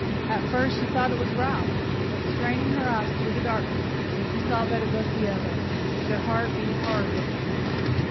At first she thought it was Ralph, but, straining her eyes through the darkness, she saw that it was the other, and her heart beat hard with pain.